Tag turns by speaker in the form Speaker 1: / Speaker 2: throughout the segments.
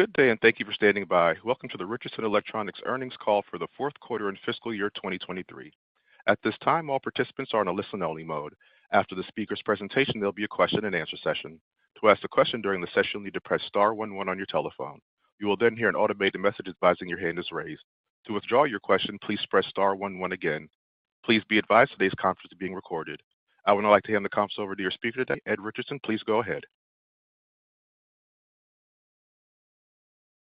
Speaker 1: Good day. Thank you for standing by. Welcome to the Richardson Electronics Earnings Call for the Fourth Quarter in Fiscal Year 2023. At this time, all participants are in a listen-only mode. After the speaker's presentation, there'll be a question-and-answer session. To ask a question during the session, you'll need to press star one one on your telephone. You will hear an automated message advising your hand is raised. To withdraw your question, please press star one one again. Please be advised today's conference is being recorded. I would now like to hand the conference over to your speaker today, Ed Richardson. Please go ahead.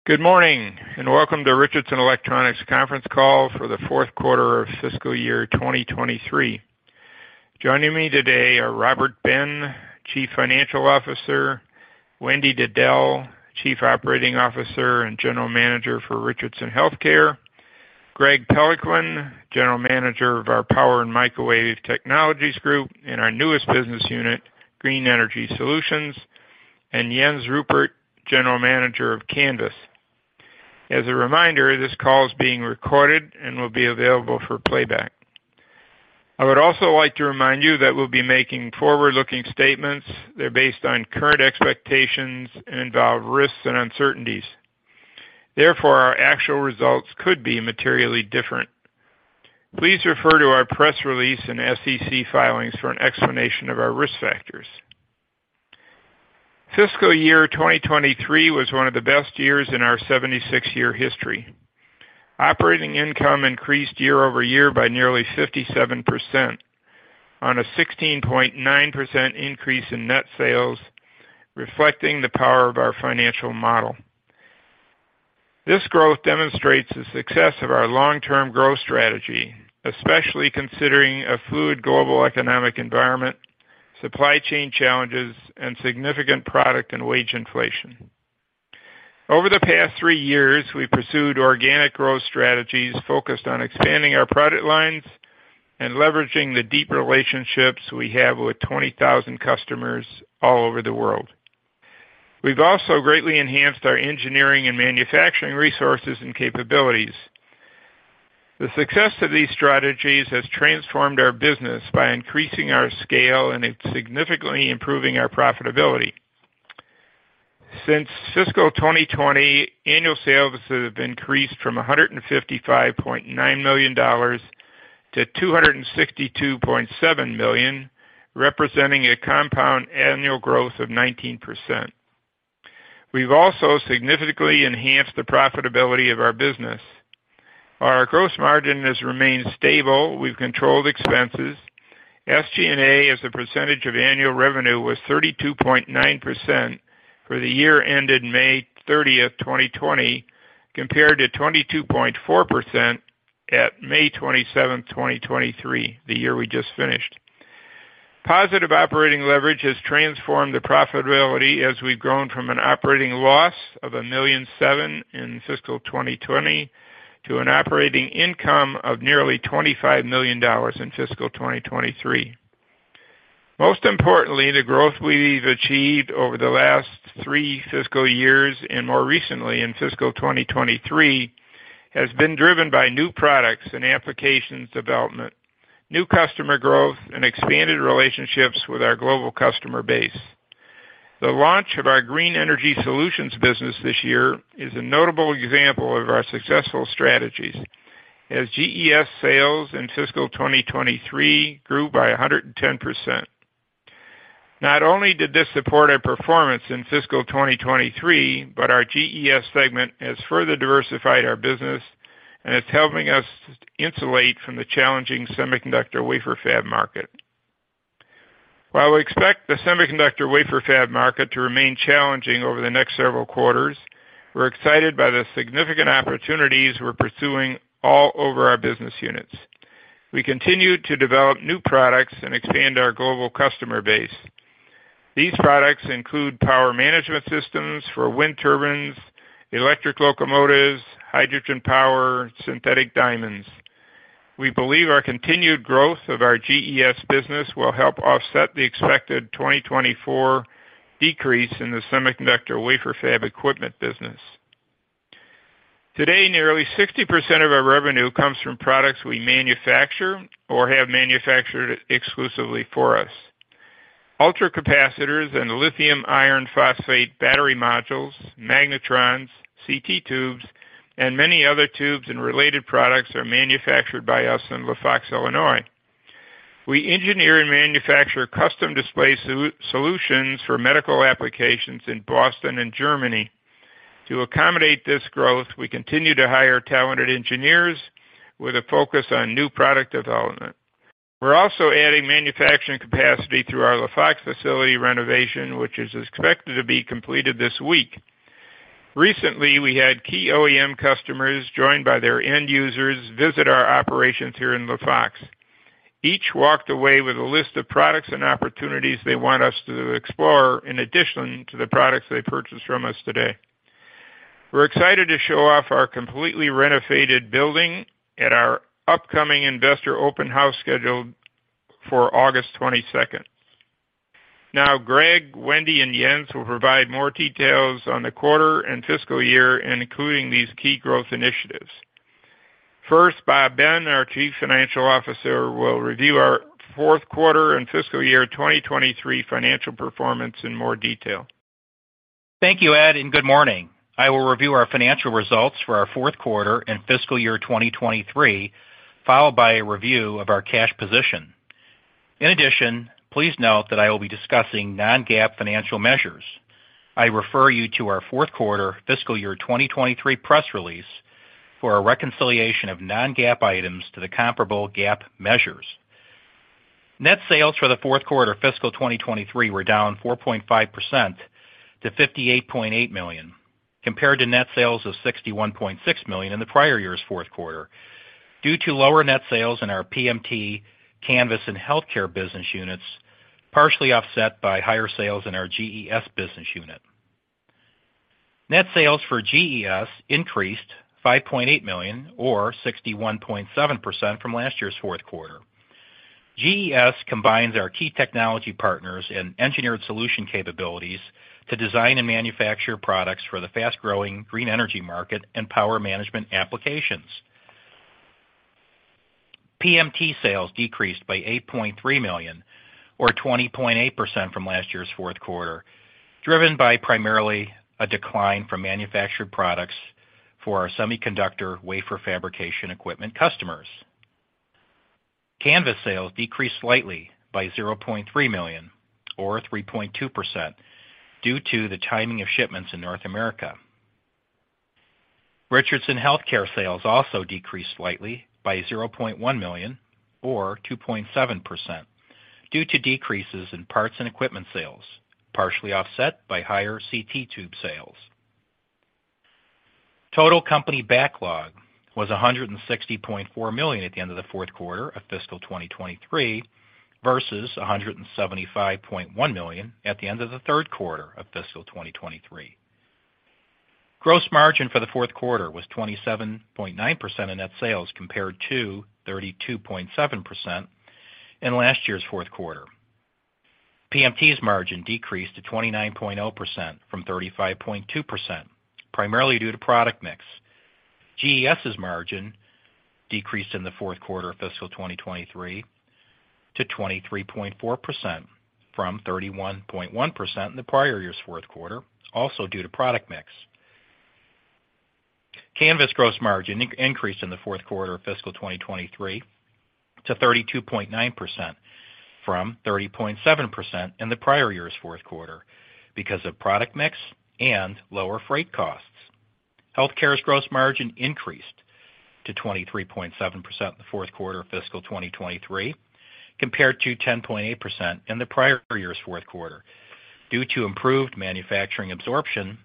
Speaker 2: Good morning, welcome to Richardson Electronics conference call for the fourth quarter of fiscal year 2023. Joining me today are Robert Ben, Chief Financial Officer; Wendy Diddell, Chief Operating Officer and General Manager for Richardson Healthcare; Greg Peloquin, General Manager of our Power and Microwave Technologies Group and our newest business unit, Green Energy Solutions; and Jens Ruppert, General Manager of Canvys. As a reminder, this call is being recorded and will be available for playback. I would also like to remind you that we'll be making forward-looking statements. They're based on current expectations and involve risks and uncertainties. Therefore, our actual results could be materially different. Please refer to our press release and SEC filings for an explanation of our risk factors. Fiscal year 2023 was one of the best years in our 76-year history. Operating income increased year-over-year by nearly 57% on a 16.9% increase in net sales, reflecting the power of our financial model. This growth demonstrates the success of our long-term growth strategy, especially considering a fluid global economic environment, supply chain challenges, and significant product and wage inflation. Over the past three years, we pursued organic growth strategies focused on expanding our product lines and leveraging the deep relationships we have with 20,000 customers all over the world. We've also greatly enhanced our engineering and manufacturing resources and capabilities. The success of these strategies has transformed our business by increasing our scale and significantly improving our profitability. Since fiscal 2020, annual sales have increased from $155.9 million to $262.7 million, representing a compound annual growth of 19%. We've also significantly enhanced the profitability of our business. Our gross margin has remained stable. We've controlled expenses. SG&A, as a percentage of annual revenue, was 32.9% for the year ended May 30th, 2020, compared to 22.4% at May 27th, 2023, the year we just finished. Positive operating leverage has transformed the profitability as we've grown from an operating loss of $1.7 million in fiscal 2020 to an operating income of nearly $25 million in fiscal 2023. Most importantly, the growth we've achieved over the last three fiscal years, and more recently in fiscal 2023, has been driven by new products and applications development, new customer growth, and expanded relationships with our global customer base. The launch of our Green Energy Solutions business this year is a notable example of our successful strategies, as GES sales in fiscal 2023 grew by 110%. Not only did this support our performance in fiscal 2023, but our GES segment has further diversified our business, and it's helping us insulate from the challenging semiconductor wafer fab market. While we expect the semiconductor wafer fab market to remain challenging over the next several quarters, we're excited by the significant opportunities we're pursuing all over our business units. We continue to develop new products and expand our global customer base. These products include power management systems for wind turbines, electric locomotives, hydrogen power, synthetic diamonds. We believe our continued growth of our GES business will help offset the expected 2024 decrease in the semiconductor wafer fab equipment business. Today, nearly 60% of our revenue comes from products we manufacture or have manufactured exclusively for us. Ultracapacitors and lithium iron phosphate battery modules, magnetrons, CT tubes, and many other tubes and related products are manufactured by us in La Fox, Illinois. We engineer and manufacture custom display solutions for medical applications in Boston and Germany. To accommodate this growth, we continue to hire talented engineers with a focus on new product development. We're also adding manufacturing capacity through our La Fox facility renovation, which is expected to be completed this week. Recently, we had key OEM customers, joined by their end users, visit our operations here in La Fox. Each walked away with a list of products and opportunities they want us to explore in addition to the products they purchase from us today. We're excited to show off our completely renovated building at our upcoming Investor Open House scheduled for August 22nd. Greg, Wendy, and Jens will provide more details on the quarter and fiscal year, including these key growth initiatives. First, Bob Ben, our Chief Financial Officer, will review our fourth quarter and fiscal year 2023 financial performance in more detail.
Speaker 3: Thank you, Ed, and good morning. I will review our financial results for our fourth quarter and fiscal year 2023, followed by a review of our cash position. In addition, please note that I will be discussing non-GAAP financial measures. I refer you to our fourth quarter fiscal year 2023 press release for a reconciliation of non-GAAP items to the comparable GAAP measures. Net sales for the fourth quarter fiscal 2023 were down 4.5% to $58.8 million, compared to net sales of $61.6 million in the prior year's fourth quarter, due to lower net sales in our PMT, Canvys, and Healthcare business units, partially offset by higher sales in our GES business unit. Net sales for GES increased $5.8 million, or 61.7% from last year's fourth quarter. GES combines our key technology partners and engineered solution capabilities to design and manufacture products for the fast-growing green energy market and power management applications. PMT sales decreased by $8.3 million, or 20.8% from last year's fourth quarter, driven by primarily a decline from manufactured products for our semiconductor wafer fabrication equipment customers. Canvys sales decreased slightly by $0.3 million, or 3.2%, due to the timing of shipments in North America. Richardson Healthcare sales also decreased slightly by $0.1 million, or 2.7%, due to decreases in parts and equipment sales, partially offset by higher CT tube sales. Total company backlog was $160.4 million at the end of the fourth quarter of fiscal 2023, versus $175.1 million at the end of the third quarter of fiscal 2023. Gross margin for the fourth quarter was 27.9% of net sales, compared to 32.7% in last year's fourth quarter. PMT's margin decreased to 29.0% from 35.2%, primarily due to product mix. GES's margin decreased in the fourth quarter of fiscal 2023 to 23.4% from 31.1% in the prior year's fourth quarter, also due to product mix. Canvys gross margin increased in the fourth quarter of fiscal 2023 to 32.9% from 30.7% in the prior year's fourth quarter because of product mix and lower freight costs. Healthcare's gross margin increased to 23.7% in the fourth quarter of fiscal 2023, compared to 10.8% in the prior year's fourth quarter, due to improved manufacturing absorption,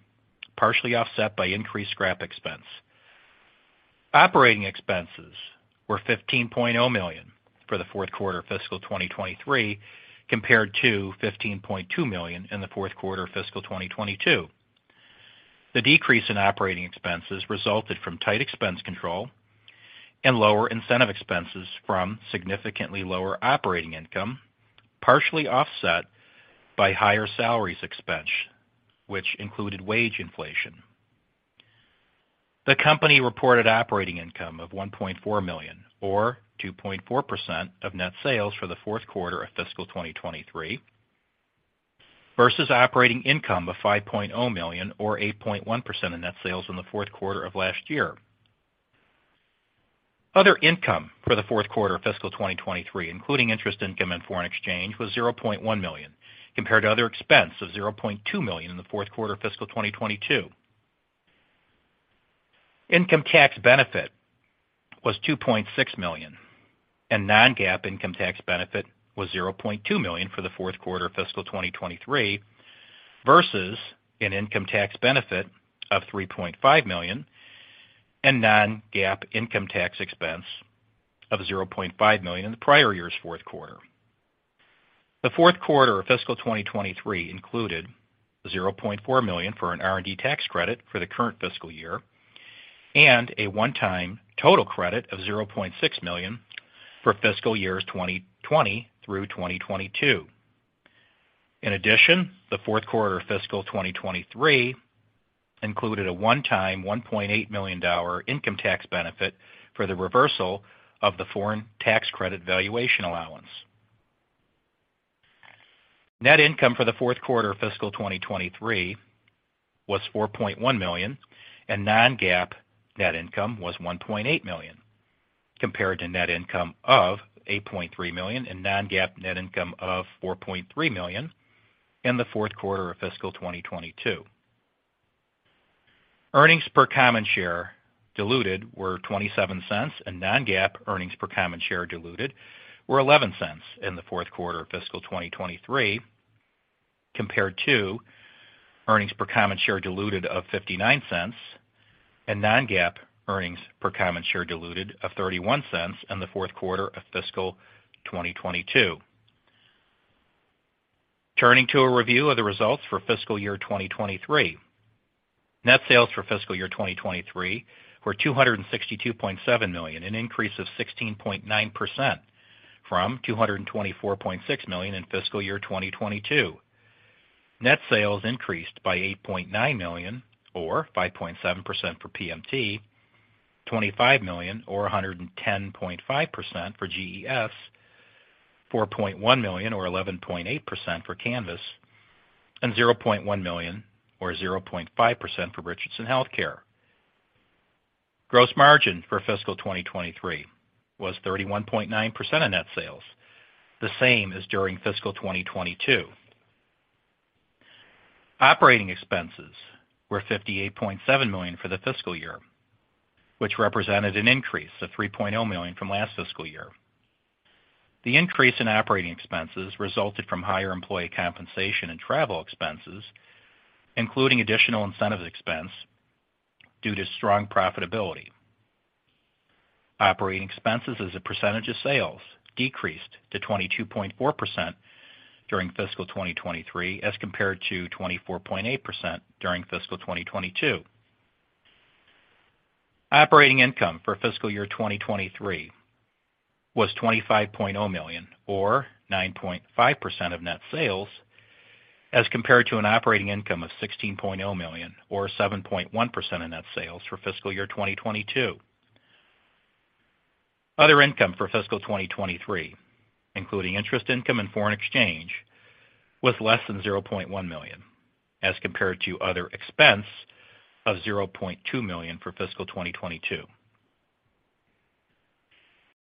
Speaker 3: partially offset by increased scrap expense. Operating expenses were $15 million for the fourth quarter of fiscal 2023, compared to $15.2 million in the fourth quarter of fiscal 2022. The decrease in operating expenses resulted from tight expense control and lower incentive expenses from significantly lower operating income, partially offset by higher salaries expense, which included wage inflation. The company reported operating income of $1.4 million, or 2.4% of net sales, for the fourth quarter of fiscal 2023, versus operating income of $5 million, or 8.1% of net sales in the fourth quarter of last year. Other income for the fourth quarter of fiscal 2023, including interest income and foreign exchange, was $0.1 million, compared to other expense of $0.2 million in the fourth quarter of fiscal 2022. Income tax benefit was $2.6 million, and non-GAAP income tax benefit was $0.2 million for the fourth quarter of fiscal 2023, versus an income tax benefit of $3.5 million and non-GAAP income tax expense of $0.5 million in the prior year's fourth quarter. The fourth quarter of fiscal 2023 included $0.4 million for an R&D tax credit for the current fiscal year and a one-time total credit of $0.6 million for fiscal years 2020-2022. The fourth quarter of fiscal 2023 included a one-time $1.8 million income tax benefit for the reversal of the foreign tax credit valuation allowance. Net income for the fourth quarter of fiscal 2023 was $4.1 million, and non-GAAP net income was $1.8 million, compared to net income of $8.3 million and non-GAAP net income of $4.3 million in the fourth quarter of fiscal 2022. Earnings per common share diluted were $0.27, and non-GAAP earnings per common share diluted were $0.11 in the fourth quarter of fiscal 2023, compared to earnings per common share diluted of $0.59 and non-GAAP earnings per common share diluted of $0.31 in the fourth quarter of fiscal 2022. Turning to a review of the results for fiscal year 2023. Net sales for fiscal year 2023 were $262.7 million, an increase of 16.9% from $224.6 million in fiscal year 2022. Net sales increased by $8.9 million, or 5.7% for PMT, $25 million, or 110.5% for GES, $4.1 million, or 11.8% for Canvys, and $0.1 million, or 0.5% for Richardson Healthcare. Gross margin for fiscal 2023 was 31.9% of net sales, the same as during fiscal 2022. Operating expenses were $58.7 million for the fiscal year, which represented an increase of $3 million from last fiscal year. The increase in operating expenses resulted from higher employee compensation and travel expenses, including additional incentive expense due to strong profitability. Operating expenses as a percentage of sales decreased to 22.4% during fiscal 2023, as compared to 24.8% during fiscal 2022. Operating income for fiscal year 2023 was $25 million, or 9.5% of net sales, as compared to an operating income of $16 million, or 7.1% of net sales for fiscal year 2022. Other income for fiscal 2023, including interest income and foreign exchange, was less than $0.1 million, as compared to other expense of $0.2 million for fiscal 2022.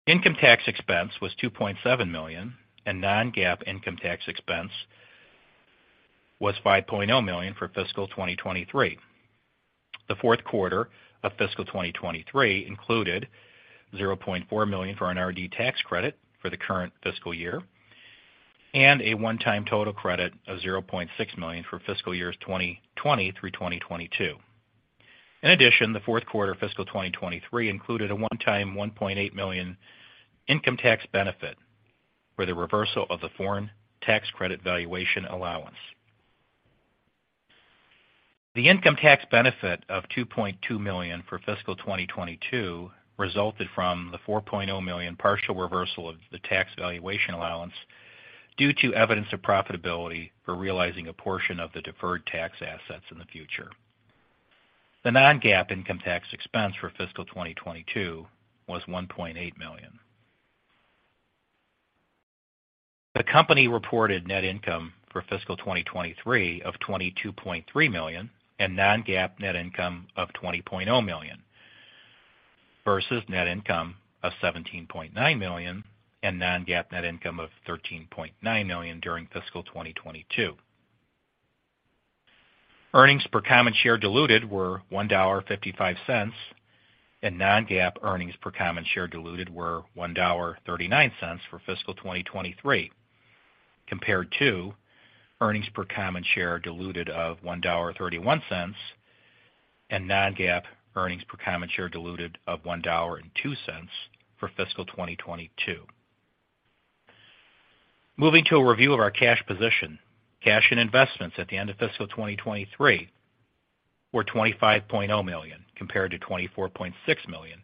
Speaker 3: Income tax expense was $2.7 million, and non-GAAP income tax expense was $5 million for fiscal 2023. The fourth quarter of fiscal 2023 included $0.4 million for an R&D tax credit for the current fiscal year and a one-time total credit of $0.6 million for fiscal years 2020 through 2022. In addition, the fourth quarter of fiscal 2023 included a one-time $1.8 million income tax benefit for the reversal of the foreign tax credit valuation allowance. The income tax benefit of $2.2 million for fiscal 2022 resulted from the $4 million partial reversal of the tax valuation allowance due to evidence of profitability for realizing a portion of the deferred tax assets in the future. The non-GAAP income tax expense for fiscal 2022 was $1.8 million. The company reported net income for fiscal 2023 of $22.3 million and non-GAAP net income of $20 million, versus net income of $17.9 million and non-GAAP net income of $13.9 million during fiscal 2022. Earnings per common share diluted were $1.55, and non-GAAP earnings per common share diluted were $1.39 for fiscal 2023, compared to earnings per common share diluted of $1.31 and non-GAAP earnings per common share diluted of $1.02 for fiscal 2022. Moving to a review of our cash position. Cash and investments at the end of fiscal 2023 were $25 million, compared to $24.6 million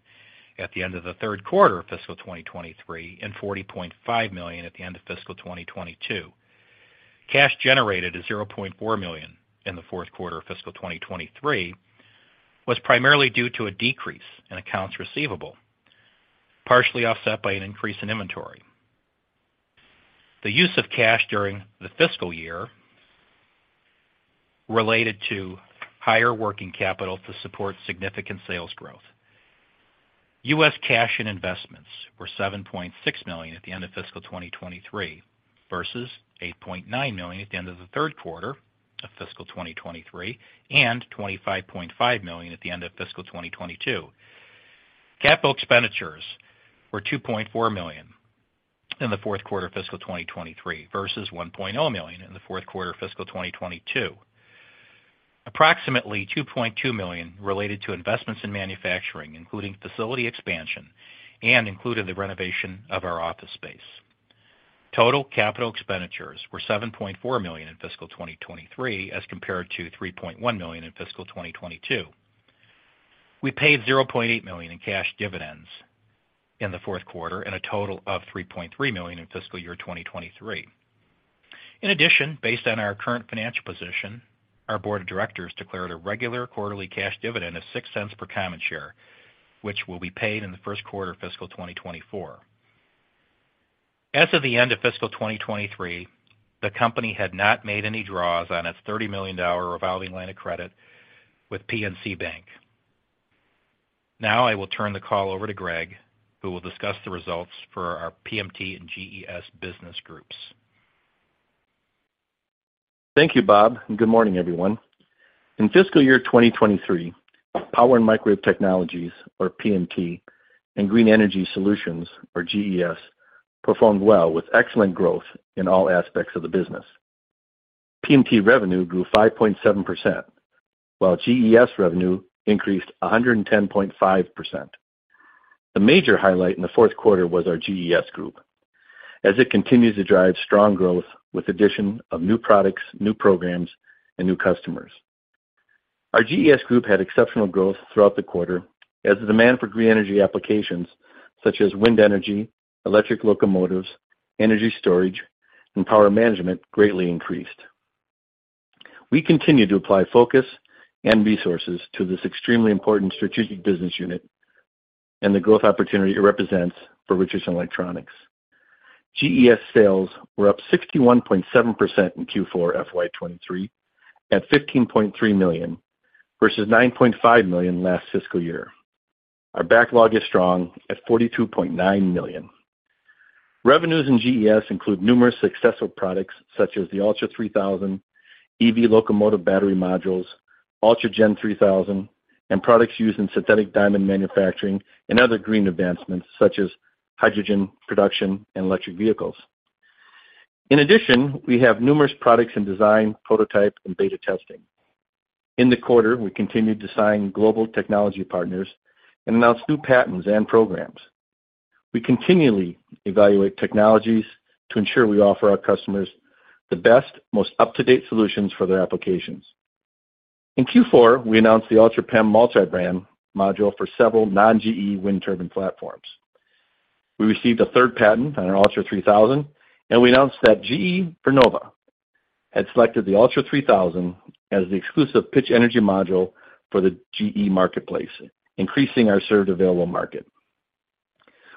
Speaker 3: at the end of the third quarter of fiscal 2023, and $40.5 million at the end of fiscal 2022. Cash generated is $0.4 million in the fourth quarter of fiscal 2023, was primarily due to a decrease in accounts receivable, partially offset by an increase in inventory. The use of cash during the fiscal year related to higher working capital to support significant sales growth. U.S. cash and investments were $7.6 million at the end of fiscal 2023, versus $8.9 million at the end of the third quarter of fiscal 2023, and $25.5 million at the end of fiscal 2022. Capital expenditures were $2.4 million in the fourth quarter of fiscal 2023, versus $1 million in the fourth quarter of fiscal 2022. Approximately $2.2 million related to investments in manufacturing, including facility expansion and included the renovation of our office space. Total capital expenditures were $7.4 million in fiscal 2023, as compared to $3.1 million in fiscal 2022. We paid $0.8 million in cash dividends in the fourth quarter and a total of $3.3 million in fiscal year 2023. In addition, based on our current financial position, our board of directors declared a regular quarterly cash dividend of $0.06 per common share, which will be paid in the first quarter of fiscal 2024. As of the end of fiscal 2023, the company had not made any draws on its $30 million revolving line of credit with PNC Bank. I will turn the call over to Greg, who will discuss the results for our PMT and GES business groups.
Speaker 4: Thank you, Bob. Good morning, everyone. In fiscal year 2023, Power and Microwave Technologies, or PMT, and Green Energy Solutions, or GES, performed well with excellent growth in all aspects of the business. PMT revenue grew 5.7%, while GES revenue increased 110.5%. The major highlight in the fourth quarter was our GES group, as it continues to drive strong growth with addition of new products, new programs, and new customers. Our GES group had exceptional growth throughout the quarter as the demand for green energy applications, such as wind energy, electric locomotives, energy storage, and power management, greatly increased. We continue to apply focus and resources to this extremely important strategic business unit and the growth opportunity it represents for Richardson Electronics. GES sales were up 61.7% in Q4 FY 2023, at $15.3 million, versus $9.5 million last fiscal year. Our backlog is strong at $42.9 million. Revenues in GES include numerous successful products such as the ULTRA3000, EV locomotive battery modules, ULTRAGEN3000, and products used in synthetic diamond manufacturing and other green advancements, such as hydrogen production and electric vehicles. In addition, we have numerous products in design, prototype, and beta testing. In the quarter, we continued to sign global technology partners and announce new patents and programs. We continually evaluate technologies to ensure we offer our customers the best, most up-to-date solutions for their applications. In Q4, we announced the UltraPEM Multibrand module for several non-GE wind turbine platforms. We received a third patent on our ULTRA3000, and we announced that GE Vernova had selected the ULTRA3000 as the exclusive pitch energy module for the GE marketplace, increasing our served available market.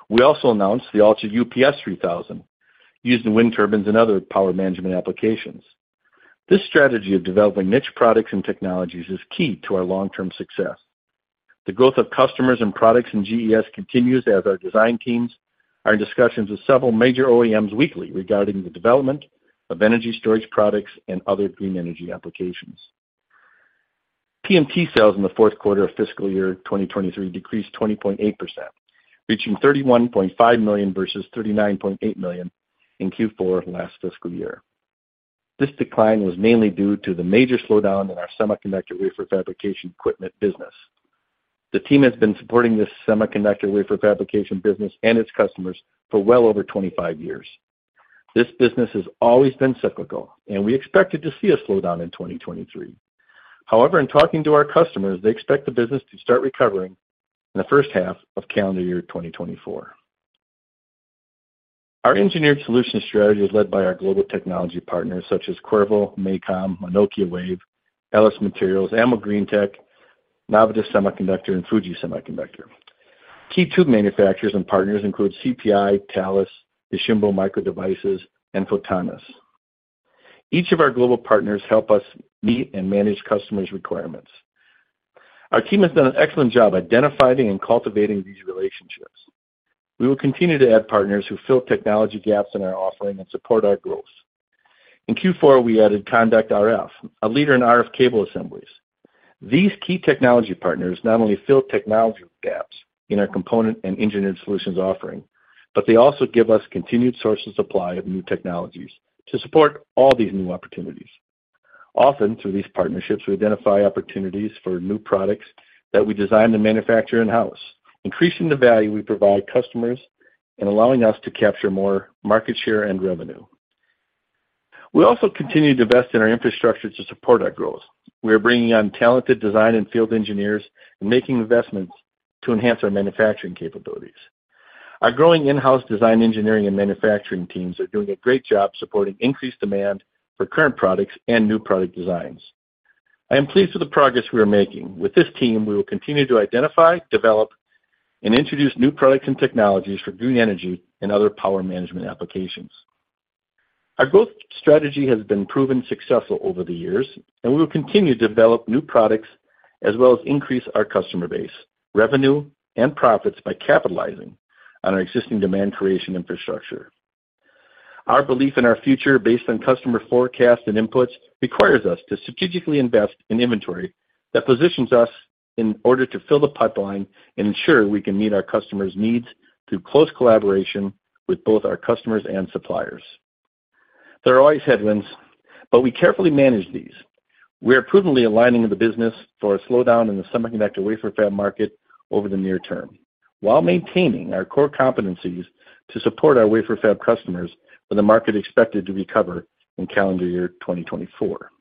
Speaker 4: We also announced the ULTRAUPS3000, used in wind turbines and other power management applications. This strategy of developing niche products and technologies is key to our long-term success. The growth of customers and products in GES continues as our design teams are in discussions with several major OEMs weekly regarding the development of energy storage products and other green energy applications. PMT sales in the fourth quarter of fiscal year 2023 decreased 20.8%, reaching $31.5 million versus $39.8 million in Q4 last fiscal year. This decline was mainly due to the major slowdown in our semiconductor wafer fabrication equipment business. The team has been supporting this semiconductor wafer fabrication business and its customers for well over 25 years. This business has always been cyclical, and we expected to see a slowdown in 2023. However, in talking to our customers, they expect the business to start recovering in the first half of calendar year 2024. Our engineered solutions strategy is led by our global technology partners, such as Qorvo, MACOM, Anokiwave, LS Materials, AMOGREENTECH, Navitas Semiconductor, and Fuji Electric. Key tube manufacturers and partners include CPI, Thales, Nisshinbo Micro Devices, and Photonis. Each of our global partners help us meet and manage customers' requirements. Our team has done an excellent job identifying and cultivating these relationships. We will continue to add partners who fill technology gaps in our offering and support our growth. In Q4, we added ConductRF, a leader in RF cable assemblies. These key technology partners not only fill technology gaps in our component and engineered solutions offering, but they also give us continued source and supply of new technologies to support all these new opportunities. Often, through these partnerships, we identify opportunities for new products that we design and manufacture in-house, increasing the value we provide customers and allowing us to capture more market share and revenue. We also continue to invest in our infrastructure to support our growth. We are bringing on talented design and field engineers and making investments to enhance our manufacturing capabilities. Our growing in-house design, engineering, and manufacturing teams are doing a great job supporting increased demand for current products and new product designs. I am pleased with the progress we are making. With this team, we will continue to identify, develop, and introduce new products and technologies for green energy and other power management applications. Our growth strategy has been proven successful over the years, and we will continue to develop new products as well as increase our customer base, revenue, and profits by capitalizing on our existing demand creation infrastructure. Our belief in our future, based on customer forecasts and inputs, requires us to strategically invest in inventory that positions us in order to fill the pipeline and ensure we can meet our customers' needs through close collaboration with both our customers and suppliers. There are always headwinds, but we carefully manage these. We are prudently aligning the business for a slowdown in the semiconductor wafer fab market over the near term, while maintaining our core competencies to support our wafer fab customers for the market expected to recover in calendar year 2024.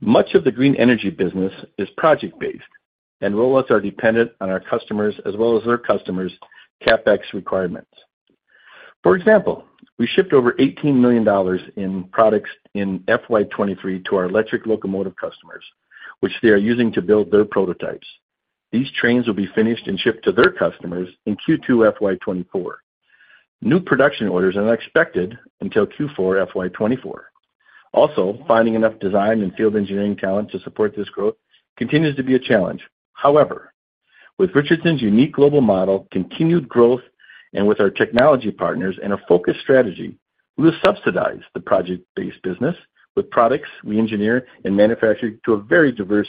Speaker 4: Much of the green energy business is project-based, and rollouts are dependent on our customers as well as their customers' CapEx requirements. For example, we shipped over $18 million in products in FY 2023 to our electric locomotive customers, which they are using to build their prototypes. These trains will be finished and shipped to their customers in Q2 FY 2024. New production orders are not expected until Q4 FY 2024. Finding enough design and field engineering talent to support this growth continues to be a challenge. With Richardson's unique global model, continued growth, and with our technology partners and a focused strategy, we will subsidize the project-based business with products we engineer and manufacture to a very diverse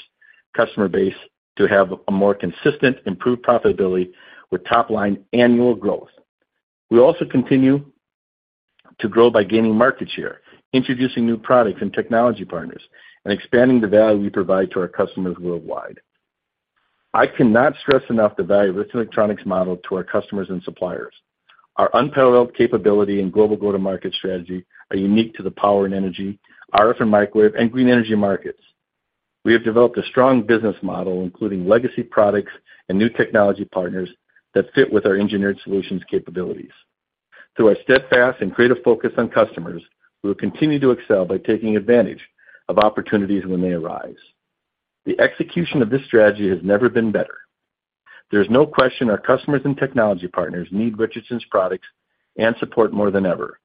Speaker 4: customer base to have a more consistent, improved profitability with top-line annual growth. We also continue to grow by gaining market share, introducing new products and technology partners, and expanding the value we provide to our customers worldwide. I cannot stress enough the value of this electronics model to our customers and suppliers. Our unparalleled capability and global go-to-market strategy are unique to the power and energy, RF and microwave, and green energy markets. We have developed a strong business model, including legacy products and new technology partners, that fit with our engineered solutions capabilities. Through our steadfast and creative focus on customers, we will continue to excel by taking advantage of opportunities when they arise. The execution of this strategy has never been better. There's no question our customers and technology partners need Richardson's products and support more than ever.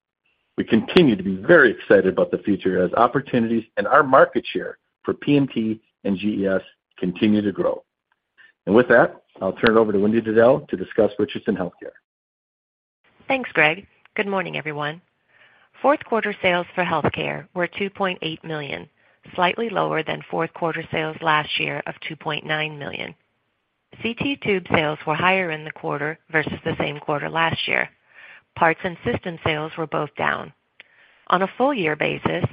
Speaker 4: We continue to be very excited about the future as opportunities and our market share for PMT and GES continue to grow. With that, I'll turn it over to Wendy Diddell to discuss Richardson Healthcare.
Speaker 5: Thanks, Greg. Good morning, everyone. Fourth quarter sales for Healthcare were $2.8 million, slightly lower than fourth quarter sales last year of $2.9 million. CT tube sales were higher in the quarter versus the same quarter last year. Parts and system sales were both down. On a full-year basis,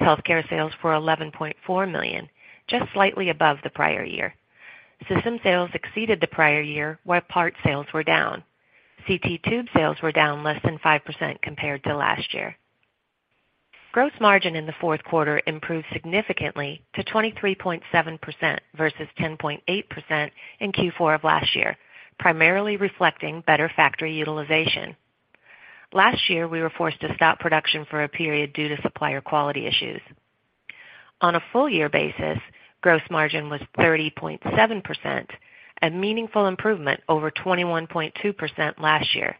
Speaker 5: Healthcare sales were $11.4 million, just slightly above the prior year. System sales exceeded the prior year, where parts sales were down. CT tube sales were down less than 5% compared to last year. Gross margin in the fourth quarter improved significantly to 23.7% versus 10.8% in Q4 of last year, primarily reflecting better factory utilization. Last year, we were forced to stop production for a period due to supplier quality issues. On a full year basis, gross margin was 30.7%, a meaningful improvement over 21.2% last year.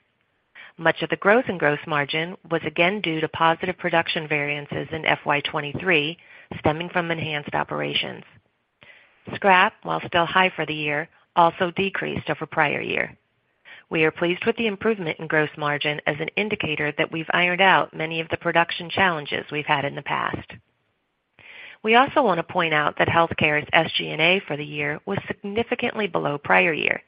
Speaker 5: Much of the growth in gross margin was again due to positive production variances in FY23, stemming from enhanced operations. Scrap, while still high for the year, also decreased over prior year. We are pleased with the improvement in gross margin as an indicator that we've ironed out many of the production challenges we've had in the past. We also want to point out that Healthcare's SG&A for the year was significantly below prior year.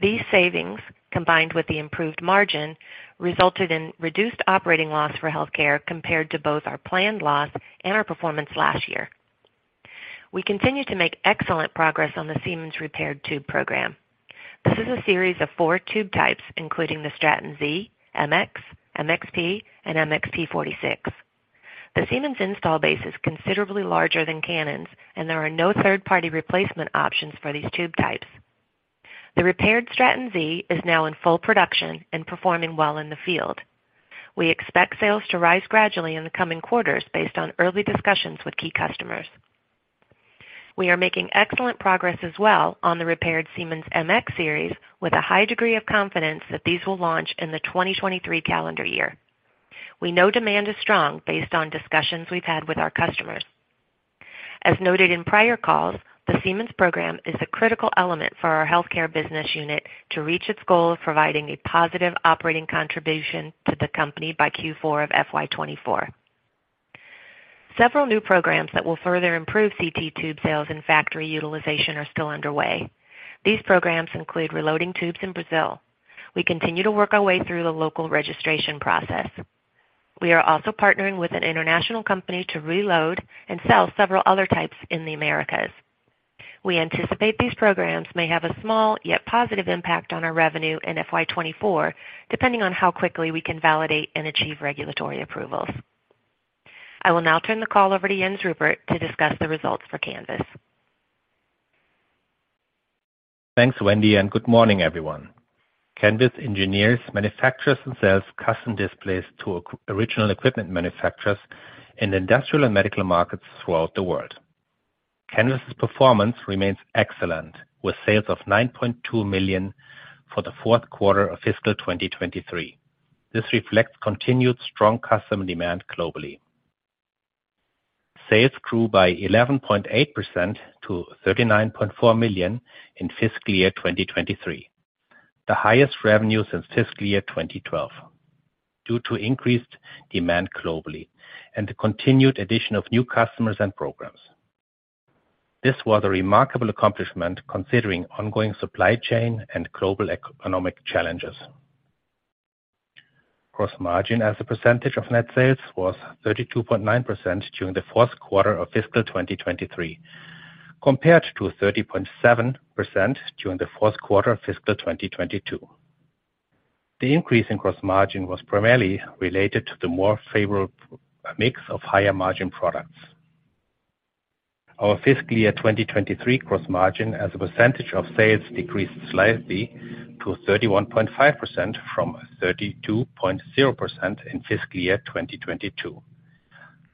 Speaker 5: These savings, combined with the improved margin, resulted in reduced operating loss for Healthcare compared to both our planned loss and our performance last year. We continue to make excellent progress on the Siemens repaired tube program. This is a series of four tube types, including the Straton Z, MX, MXP, and MXP46. The Siemens install base is considerably larger than Canon's. There are no third-party replacement options for these tube types. The repaired Straton Z is now in full production and performing well in the field. We expect sales to rise gradually in the coming quarters based on early discussions with key customers. We are making excellent progress as well on the repaired Siemens MX series, with a high degree of confidence that these will launch in the 2023 calendar year. We know demand is strong based on discussions we've had with our customers. As noted in prior calls, the Siemens program is a critical element for our healthcare business unit to reach its goal of providing a positive operating contribution to the company by Q4 of FY 2024. Several new programs that will further improve CT tube sales and factory utilization are still underway. These programs include reloading tubes in Brazil. We continue to work our way through the local registration process. We are also partnering with an international company to reload and sell several other types in the Americas. We anticipate these programs may have a small, yet positive impact on our revenue in FY 2024, depending on how quickly we can validate and achieve regulatory approvals. I will now turn the call over to Jens Ruppert to discuss the results for Canvys.
Speaker 6: Thanks, Wendy, and good morning, everyone. Canvys engineers, manufacturers, and sells custom displays to original equipment manufacturers in industrial and medical markets throughout the world. Canvys's performance remains excellent, with sales of $9.2 million for the fourth quarter of fiscal 2023. This reflects continued strong custom demand globally. Sales grew by 11.8% to $39.4 million in fiscal year 2023, the highest revenue since fiscal year 2012, due to increased demand globally and the continued addition of new customers and programs. This was a remarkable accomplishment, considering ongoing supply chain and global economic challenges. Gross margin as a percentage of net sales, was 32.9% during the fourth quarter of fiscal 2023, compared to 30.7% during the fourth quarter of fiscal 2022. The increase in gross margin was primarily related to the more favorable mix of higher-margin products. Our fiscal year 2023 gross margin as a percentage of sales decreased slightly to 31.5% from 32.0% in fiscal year 2022.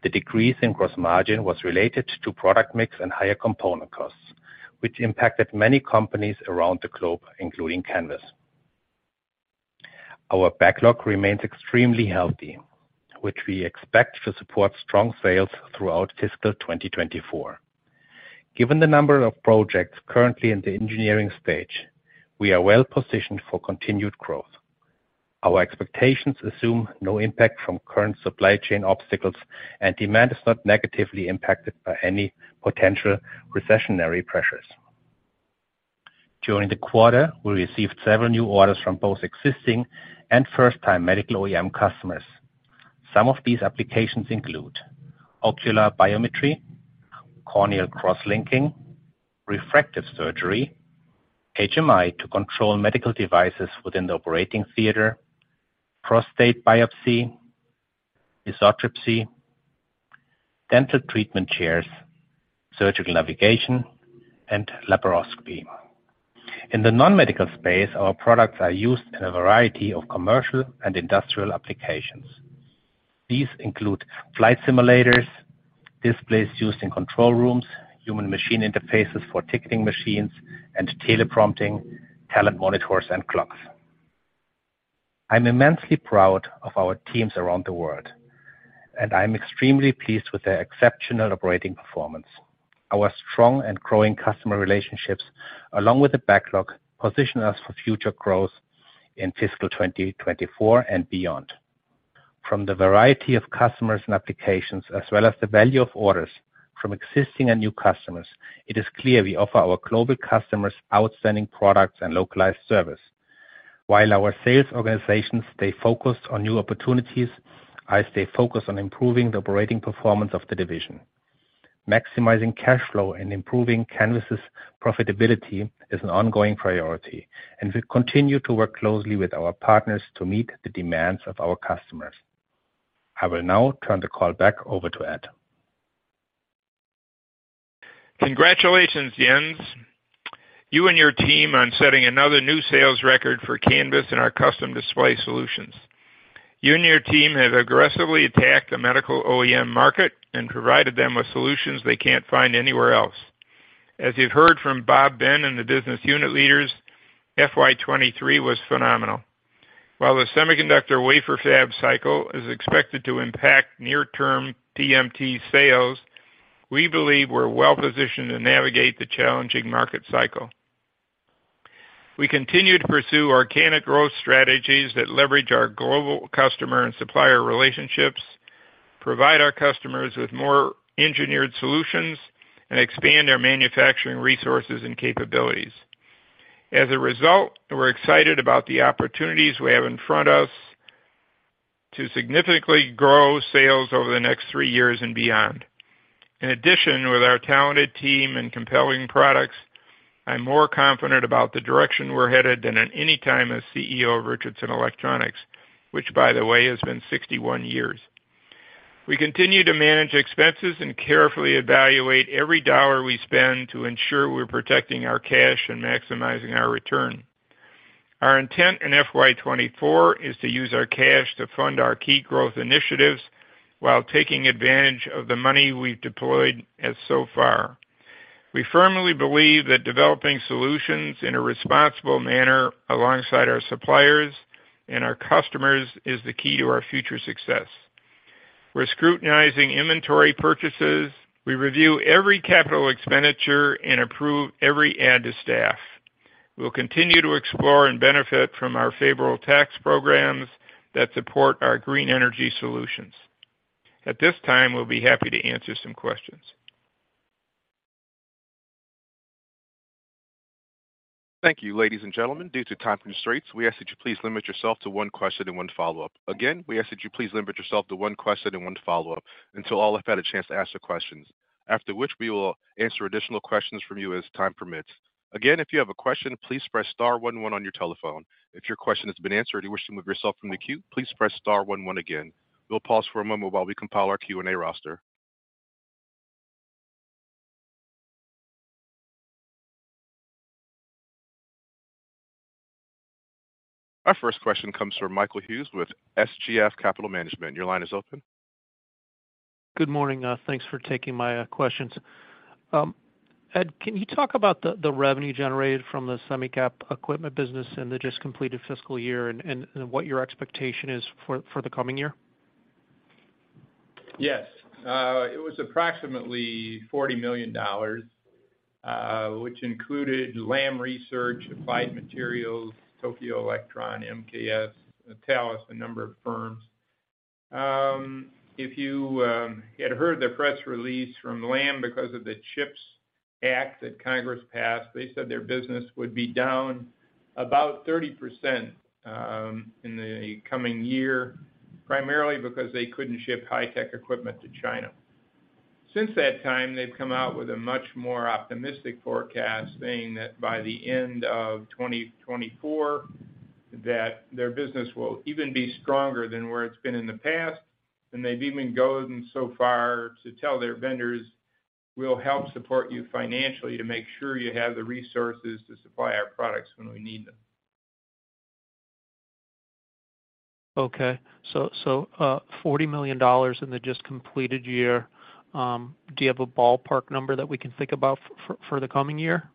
Speaker 6: The decrease in gross margin was related to product mix and higher component costs, which impacted many companies around the globe, including Canvys. Our backlog remains extremely healthy, which we expect to support strong sales throughout fiscal 2024. Given the number of projects currently in the engineering stage, we are well-positioned for continued growth. Our expectations assume no impact from current supply chain obstacles, and demand is not negatively impacted by any potential recessionary pressures. During the quarter, we received several new orders from both existing and first-time medical OEM customers.... Some of these applications include ocular biometry, corneal cross-linking, refractive surgery, HMI to control medical devices within the operating theater, prostate biopsy, isotropy, dental treatment chairs, surgical navigation, and laparoscopy. In the non-medical space, our products are used in a variety of commercial and industrial applications. These include flight simulators, displays used in control rooms, human machine interfaces for ticketing machines, and teleprompting, talent monitors, and clocks. I'm immensely proud of our teams around the world, and I'm extremely pleased with their exceptional operating performance. Our strong and growing customer relationships, along with the backlog, position us for future growth in fiscal 2024 and beyond. From the variety of customers and applications, as well as the value of orders from existing and new customers, it is clear we offer our global customers outstanding products and localized service. While our sales organizations stay focused on new opportunities, I stay focused on improving the operating performance of the division. Maximizing cash flow and improving Canvys's profitability is an ongoing priority, and we continue to work closely with our partners to meet the demands of our customers. I will now turn the call back over to Ed.
Speaker 2: Congratulations, Jens. You and your team on setting another new sales record for Canvys and our custom display solutions. You and your team have aggressively attacked the medical OEM market and provided them with solutions they can't find anywhere else. As you've heard from Bob Ben and the business unit leaders, FY 2023 was phenomenal. While the semiconductor wafer fab cycle is expected to impact near-term PMT sales, we believe we're well-positioned to navigate the challenging market cycle. We continue to pursue organic growth strategies that leverage our global customer and supplier relationships, provide our customers with more engineered solutions, and expand our manufacturing resources and capabilities. As a result, we're excited about the opportunities we have in front of us to significantly grow sales over the next three years and beyond. In addition, with our talented team and compelling products, I'm more confident about the direction we're headed than at any time as CEO of Richardson Electronics, which, by the way, has been 61 years. We continue to manage expenses and carefully evaluate every dollar we spend to ensure we're protecting our cash and maximizing our return. Our intent in FY 2024 is to use our cash to fund our key growth initiatives while taking advantage of the money we've deployed as so far. We firmly believe that developing solutions in a responsible manner alongside our suppliers and our customers is the key to our future success. We're scrutinizing inventory purchases, we review every capital expenditure, and approve every add to staff. We'll continue to explore and benefit from our favorable tax programs that support our Green Energy Solutions. At this time, we'll be happy to answer some questions.
Speaker 1: Thank you, ladies and gentlemen. Due to time constraints, we ask that you please limit yourself to one question and one follow-up. Again, we ask that you please limit yourself to one question and one follow-up, until all have had a chance to ask their questions, after which we will answer additional questions from you as time permits. Again, if you have a question, please press star one one on your telephone. If your question has been answered and you wish to move yourself from the queue, please press star one one again. We'll pause for a moment while we compile our Q&A roster. Our first question comes from Michael Hughes with SGF Capital Management. Your line is open.
Speaker 7: Good morning. thanks for taking my questions. Ed, can you talk about the revenue generated from the semi cap equipment business in the just completed fiscal year and what your expectation is for the coming year?
Speaker 2: It was approximately $40 million, which included Lam Research, Applied Materials, Tokyo Electron, MKS, Thales, a number of firms. If you had heard the press release from Lam Research, because of the CHIPS Act that Congress passed, they said their business would be down about 30% in the coming year, primarily because they couldn't ship high tech equipment to China. Since that time, they've come out with a much more optimistic forecast, saying that by the end of 2024, that their business will even be stronger than where it's been in the past, and they've even gone so far to tell their vendors, "We'll help support you financially to make sure you have the resources to supply our products when we need them.
Speaker 7: Okay. $40 million in the just completed year. Do you have a ballpark number that we can think about for the coming year?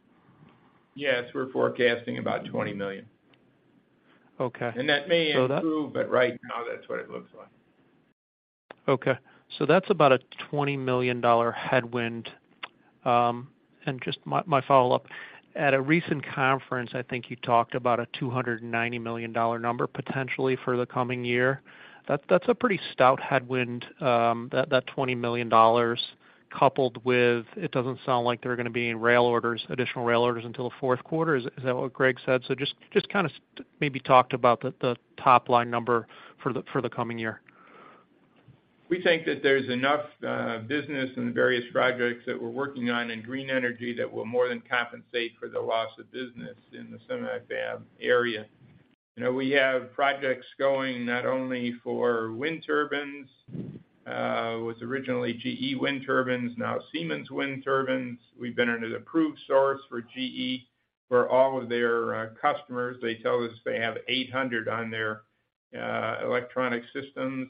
Speaker 2: Yes, we're forecasting about $20 million.
Speaker 7: Okay.
Speaker 2: That may improve, but right now, that's what it looks like.
Speaker 7: Okay, that's about a $20 million headwind. Just my follow-up: at a recent conference, I think you talked about a $290 million number, potentially for the coming year. That's a pretty stout headwind, that $20 million, coupled with, it doesn't sound like there are gonna be any rail orders, additional rail orders until the fourth quarter. Is that what Greg said? Just kind of maybe talked about the top-line number for the coming year.
Speaker 2: We think that there's enough business in the various projects that we're working on in green energy that will more than compensate for the loss of business in the semi-fab area. You know, we have projects going not only for wind turbines, was originally GE wind turbines, now Siemens wind turbines. We've been an approved source for GE for all of their customers. They tell us they have 800 on their electronic systems.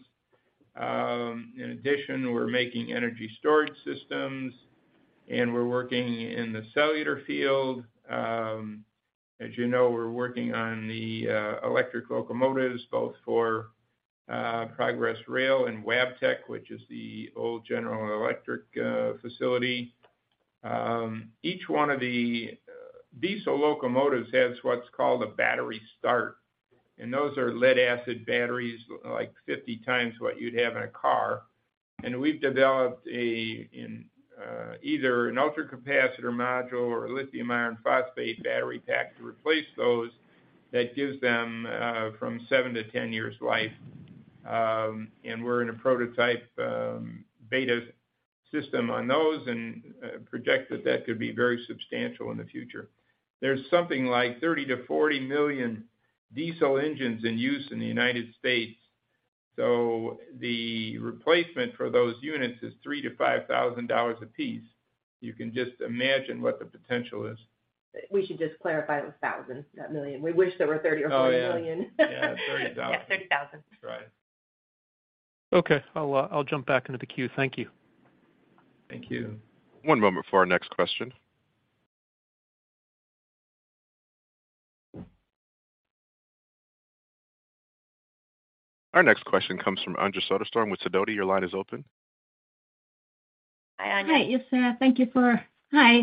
Speaker 2: In addition, we're making energy storage systems, and we're working in the cellular field. As you know, we're working on the electric locomotives, both for Progress Rail and Wabtec, which is the old General Electric facility. Each one of the diesel locomotives has what's called a battery start, and those are lead-acid batteries, like, 50 times what you'd have in a car. We've developed either an ultracapacitor module or a lithium iron phosphate battery pack to replace those, that gives them from 7 to 10 years life. We're in a prototype beta system on those, and project that that could be very substantial in the future. There's something like 30 million to 40 million diesel engines in use in the United States, so the replacement for those units is $3,000-$5,000 a piece. You can just imagine what the potential is.
Speaker 5: We should just clarify, it was thousand, not million. We wish there were $30 million or $40 million.
Speaker 2: Oh, yeah. Yeah, $30,000.
Speaker 5: Yeah, $30,000.
Speaker 2: Right.
Speaker 7: Okay. I'll jump back into the queue. Thank you.
Speaker 2: Thank you.
Speaker 1: One moment for our next question. Our next question comes from Anja Soderstrom with Sidoti. Your line is open.
Speaker 5: Hi, Anja.
Speaker 8: Hi, yes. Hi,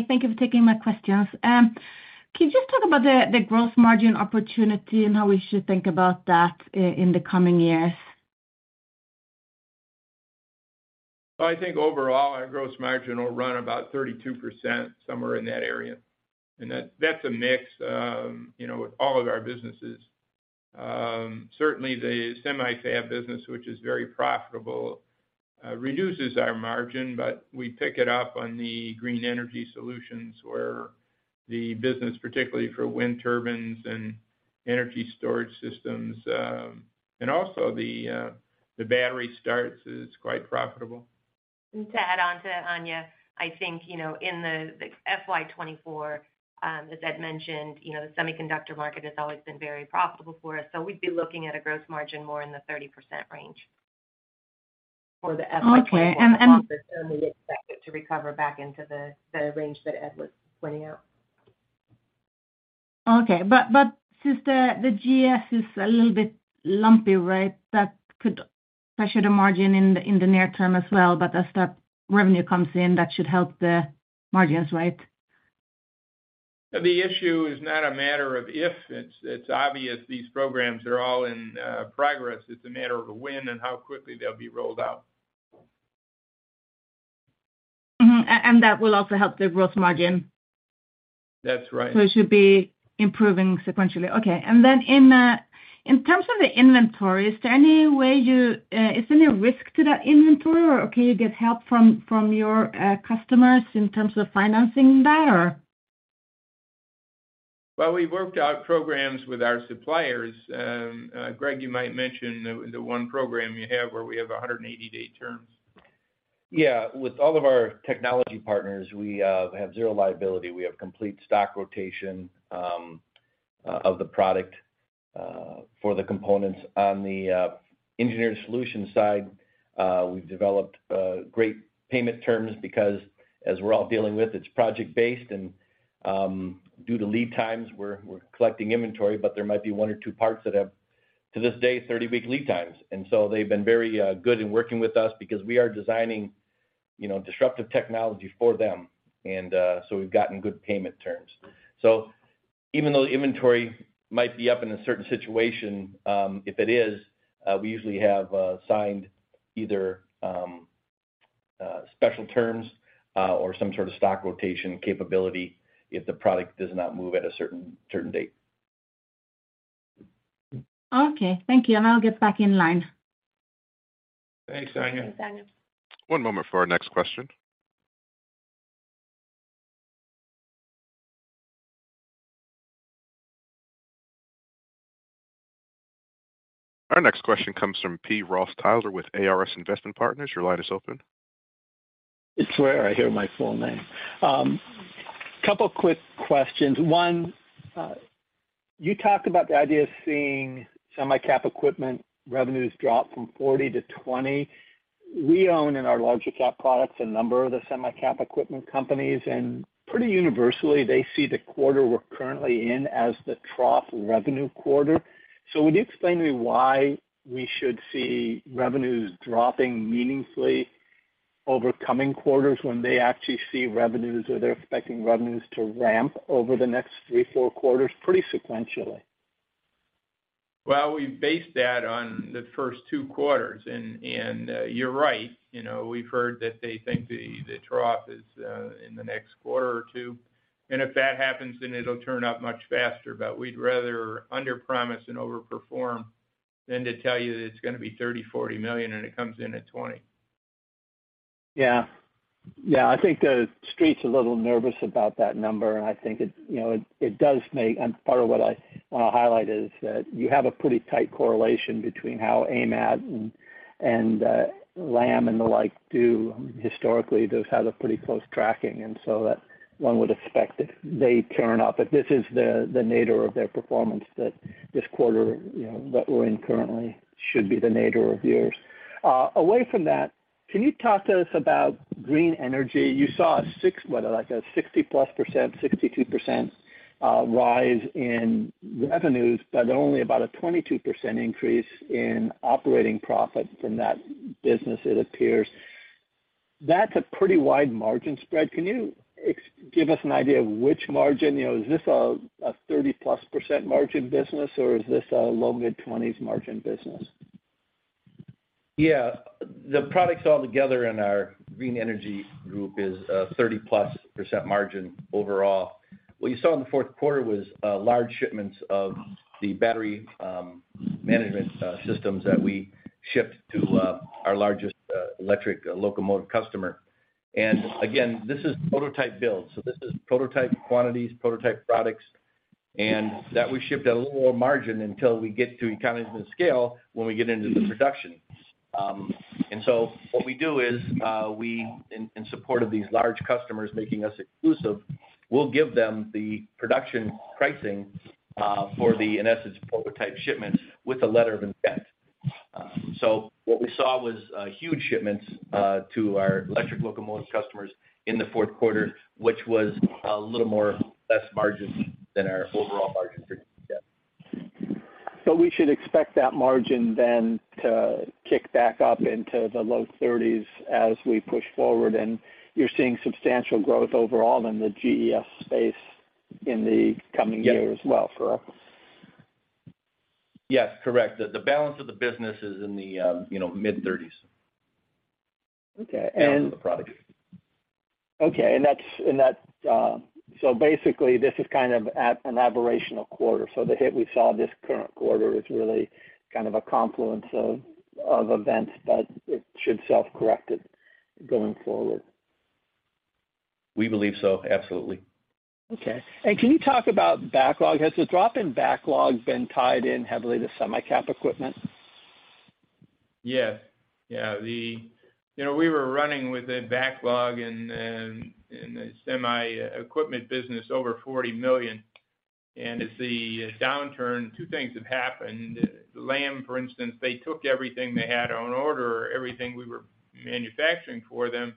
Speaker 8: thank you for taking my questions. Can you just talk about the growth margin opportunity and how we should think about that in the coming years?
Speaker 2: I think overall, our gross margin will run about 32%, somewhere in that area. That's a mix, you know, with all of our businesses. Certainly, the semi-fab business, which is very profitable, reduces our margin, but we pick it up on the Green Energy Solutions, where the business, particularly for wind turbines and energy storage systems. Also, the battery starts is quite profitable.
Speaker 5: To add on to Anja, I think, you know, in the FY 2024, as Ed mentioned, you know, the semiconductor market has always been very profitable for us, so we'd be looking at a gross margin more in the 30% range for the FY 2024.
Speaker 8: Okay.
Speaker 5: Long term, we expect it to recover back into the range that Ed was pointing out.
Speaker 8: Since the GES is a little bit lumpy, right? That could pressure the margin in the near term as well, but as that revenue comes in, that should help the margins, right?
Speaker 2: The issue is not a matter of if. It's obvious these programs are all in progress. It's a matter of when and how quickly they'll be rolled out.
Speaker 8: Mm-hmm, that will also help the gross margin?
Speaker 2: That's right.
Speaker 8: It should be improving sequentially. Okay. In terms of the inventory, is there any risk to that inventory, or can you get help from your customers in terms of financing that, or?
Speaker 2: We've worked out programs with our suppliers. Greg, you might mention the one program you have where we have 180-day terms.
Speaker 4: With all of our technology partners, we have zero liability. We have complete stock rotation of the product for the components. On the engineered solutions side, we've developed great payment terms because, as we're all dealing with, it's project-based, and due to lead times, we're collecting inventory, but there might be one or two parts that have, to this day, 30-week lead times. They've been very good in working with us because we are designing, you know, disruptive technology for them, and so we've gotten good payment terms. Even though inventory might be up in a certain situation, if it is, we usually have signed either special terms or some sort of stock rotation capability if the product does not move at a certain date.
Speaker 8: Okay, thank you, and I'll get back in line.
Speaker 2: Thanks, Anja.
Speaker 5: Thanks, Anja.
Speaker 1: One moment for our next question. Our next question comes from P. Ross Taylor with ARS Investment Partners. Your line is open.
Speaker 9: It's rare I hear my full name. Couple quick questions. One, you talked about the idea of seeing semi-cap equipment revenues drop from 40 to 20. We own, in our larger cap products, a number of the semi-cap equipment companies, and pretty universally, they see the quarter we're currently in as the trough revenue quarter. Would you explain to me why we should see revenues dropping meaningfully over coming quarters when they actually see revenues, or they're expecting revenues to ramp over the next three, four quarters, pretty sequentially?
Speaker 2: We based that on the first two quarters. You're right. You know, we've heard that they think the trough is in the next quarter or two, and if that happens, then it'll turn up much faster. We'd rather underpromise and overperform than to tell you it's gonna be $30 million, $40 million, and it comes in at $20 million.
Speaker 9: Yeah. Yeah, I think the street's a little nervous about that number. I think it, you know, it does make, part of what I wanna highlight is that you have a pretty tight correlation between how AMAT and Lam and the like do. Historically, those have a pretty close tracking. That one would expect that they turn up. If this is the nadir of their performance, that this quarter, you know, that we're in currently should be the nadir of yours. Away from that, can you talk to us about green energy? You saw a 60+% 62% rise in revenues, only about a 22% increase in operating profit from that business, it appears. That's a pretty wide margin spread. Can you give us an idea of which margin? You know, is this a 30%+ margin business, or is this a low mid-20s margin business?
Speaker 4: Yeah. The products altogether in our Green Energy Solutions group is a 30%+ margin overall. What you saw in Q4 was large shipments of the battery management systems that we shipped to our largest electric locomotive customer. Again, this is prototype build, so this is prototype quantities, prototype products, and that we shipped at a little more margin until we get to economies of scale when we get into the production. So what we do is, we in support of these large customers making us exclusive, we'll give them the production pricing for the, in essence, prototype shipments with a letter of intent. What we saw was huge shipments to our electric locomotive customers in Q4, which was a little more less margin than our overall margin for yeah.
Speaker 9: We should expect that margin then to kick back up into the low 30s as we push forward, and you're seeing substantial growth overall in the GES space in the coming year.
Speaker 4: Yep
Speaker 9: as well, correct?
Speaker 4: Yes, correct. The balance of the business is in the you know, mid 30s.
Speaker 9: Okay.
Speaker 4: Balance of the product.
Speaker 9: Okay, and that's. Basically, this is kind of at an aberrational quarter. The hit we saw this current quarter is really kind of a confluence of events, but it should self-correct it going forward.
Speaker 4: We believe so, absolutely.
Speaker 9: Okay. Can you talk about backlog? Has the drop in backlog been tied in heavily to semi cap equipment?
Speaker 2: Yeah. Yeah, you know, we were running with a backlog in the semi equipment business over $40 million. As the downturn, two things have happened. Lam Research, for instance, they took everything they had on order, everything we were manufacturing for them.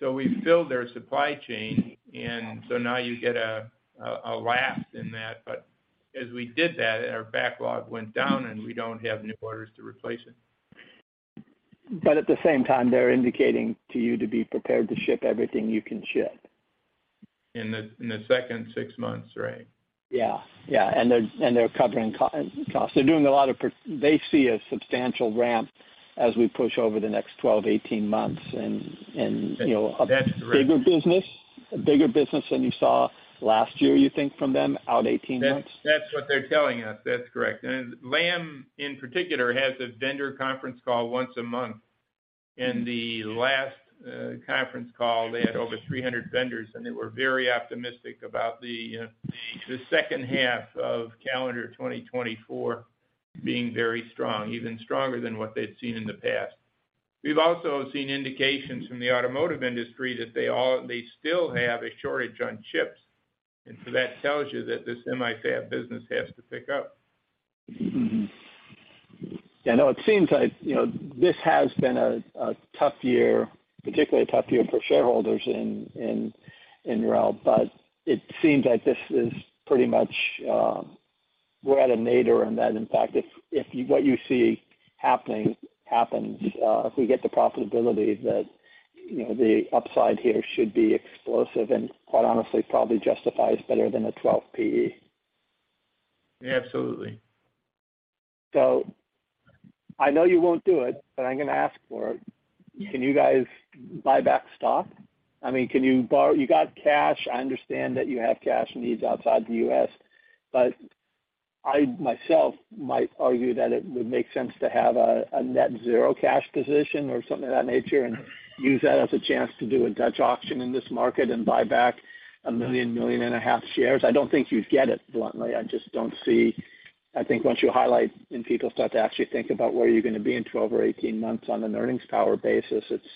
Speaker 2: We filled their supply chain, now you get a lapse in that. As we did that, our backlog went down, we don't have new orders to replace it.
Speaker 9: At the same time, they're indicating to you to be prepared to ship everything you can ship.
Speaker 2: In the second six months, right.
Speaker 9: Yeah. Yeah, and they're covering costs. They're doing a lot of, they see a substantial ramp as we push over the next 12, 18 months.
Speaker 2: That's correct.
Speaker 9: a bigger business than you saw last year, you think, from them out 18 months?
Speaker 2: That's what they're telling us. That's correct. Lam, in particular, has a vendor conference call once a month, and the last conference call, they had over 300 vendors, and they were very optimistic about the second half of calendar 2024 being very strong, even stronger than what they'd seen in the past. We've also seen indications from the automotive industry that they still have a shortage on chips, that tells you that the semi fab business has to pick up.
Speaker 9: I know it seems like, you know, this has been a tough year, particularly a tough year for shareholders in RELL, but it seems like this is pretty much, we're at a nadir, and that in fact, if what you see happening, happens, if we get the profitability, that, you know, the upside here should be explosive, and quite honestly, probably justifies better than a 12 PE.
Speaker 2: Yeah, absolutely.
Speaker 9: I know you won't do it, but I'm gonna ask for it. Can you guys buy back stock? I mean, can you you got cash. I understand that you have cash needs outside the U.S., but I, myself, might argue that it would make sense to have a net zero cash position or something of that nature, and use that as a chance to do a Dutch auction in this market and buy back 1 million, 1.5 million shares. I don't think you'd get it, bluntly. I just don't see... I think once you highlight and people start to actually think about where you're gonna be in 12 or 18 months on an earnings power basis, it's,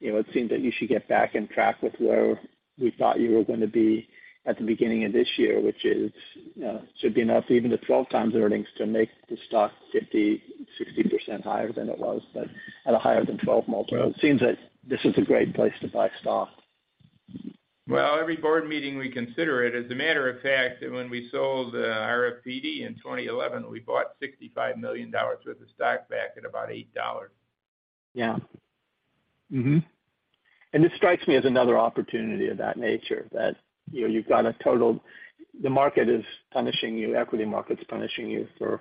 Speaker 9: you know, it seems that you should get back on track with where we thought you were gonna be at the beginning of this year, which is should be enough, even the 12x earnings, to make the stock 50%, 60% higher than it was, but at a higher than 12 multiple. It seems that this is a great place to buy stock.
Speaker 2: Well, every board meeting, we consider it. As a matter of fact, when we sold, RFPD in 2011, we bought $65 million worth of stock back at about $8.
Speaker 9: Yeah.
Speaker 2: Mm-hmm.
Speaker 9: This strikes me as another opportunity of that nature, that, you know, you've got the market is punishing you, equity market's punishing you for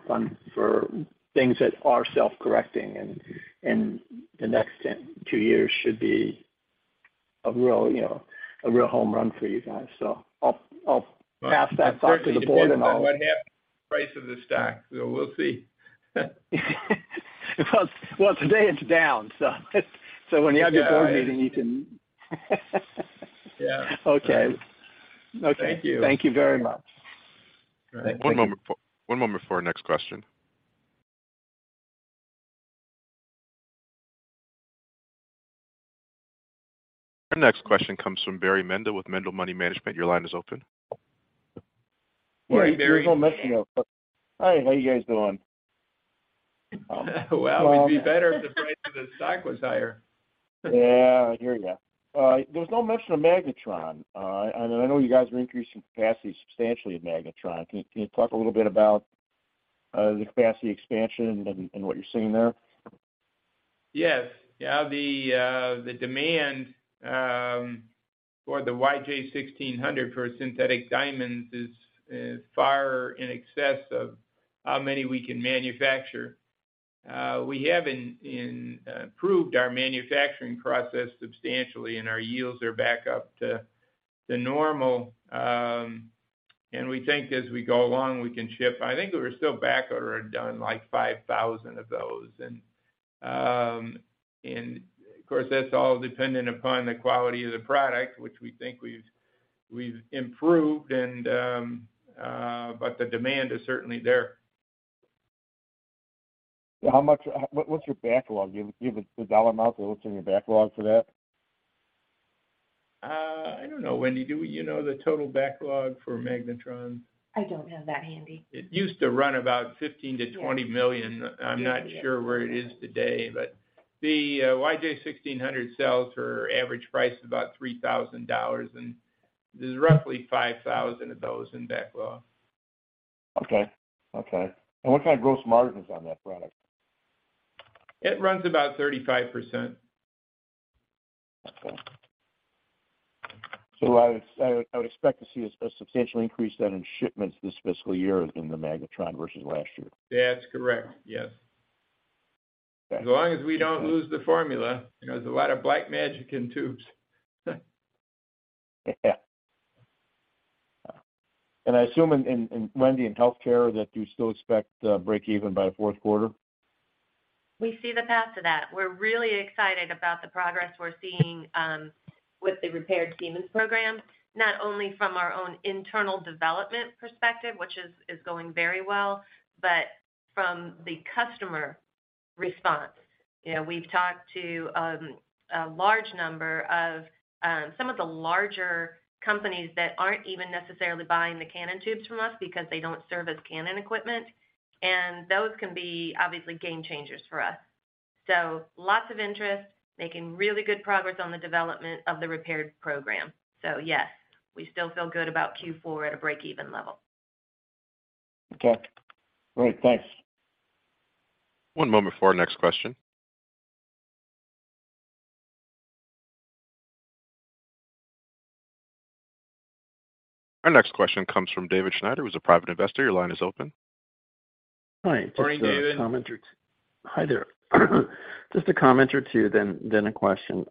Speaker 9: things that are self-correcting, and the next 10, 2 years should be- a real, you know, a real home run for you guys. I'll pass that thought to the board, and I'll-
Speaker 2: Well, it depends on what happens to the price of the stock, so we'll see.
Speaker 9: Well, today it's down, so when you have...
Speaker 2: Yeah...
Speaker 9: board meeting, you can
Speaker 2: Yeah.
Speaker 9: Okay. Okay.
Speaker 2: Thank you.
Speaker 9: Thank you very much.
Speaker 2: All right.
Speaker 1: One moment before our next question. Our next question comes from Barry Mendel with Mendel Money Management. Your line is open.
Speaker 2: Hi, Barry-
Speaker 10: There's no mention. Hi, how are you guys doing?
Speaker 2: Well, we'd be better if the price of the stock was higher.
Speaker 10: Yeah, I hear you. There's no mention of magnetron. I know you guys are increasing capacity substantially in magnetron. Can you talk a little bit about the capacity expansion and what you're seeing there?
Speaker 2: Yes. Yeah, the demand for the YJ1600 for synthetic diamonds is far in excess of how many we can manufacture. We have improved our manufacturing process substantially, and our yields are back up to normal. We think as we go along, we can ship. I think we're still backorder or down, like, 5,000 of those. Of course, that's all dependent upon the quality of the product, which we think we've improved. The demand is certainly there.
Speaker 10: What's your backlog? Do you have a dollar amount of what's in your backlog for that?
Speaker 2: I don't know. Wendy, do you know the total backlog for magnetron?
Speaker 5: I don't have that handy.
Speaker 2: It used to run about $15 million-$20 million.
Speaker 5: Yes.
Speaker 2: I'm not sure where it is today, but the YJ1600 sells for average price of about $3,000, and there's roughly 5,000 of those in backlog.
Speaker 10: Okay. Okay. What kind of gross margins on that product?
Speaker 2: It runs about 35%.
Speaker 10: I would expect to see a substantial increase then, in shipments this fiscal year in the magnetron versus last year.
Speaker 2: That's correct. Yes.
Speaker 10: Okay.
Speaker 2: As long as we don't lose the formula, you know, there's a lot of black magic in tubes.
Speaker 10: Yeah. I assume, and Wendy, in Healthcare, that you still expect breakeven by the fourth quarter?
Speaker 5: We see the path to that. We're really excited about the progress we're seeing with the repaired Siemens program, not only from our own internal development perspective, which is going very well, but from the customer response. You know, we've talked to a large number of some of the larger companies that aren't even necessarily buying the Canon tubes from us because they don't service Canon equipment, and those can be obviously game changers for us. Lots of interest, making really good progress on the development of the repaired program. Yes, we still feel good about Q4 at a breakeven level.
Speaker 10: Okay. Great. Thanks.
Speaker 1: One moment before our next question. Our next question comes from David Schneider, who's a private investor. Your line is open.
Speaker 11: Hi-
Speaker 2: Good morning, David.
Speaker 11: Just a comment or two. Hi there. Just a comment or two, then a question.